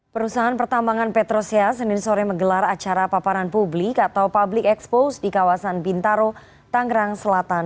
perusahaan pertambangan petrosea senin sore menggelar acara paparan publik atau public expose di kawasan bintaro tanggerang selatan